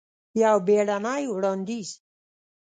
یو بیړنې وړاندیز!